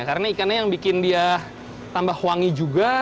karena ikannya yang bikin dia tambah wangi juga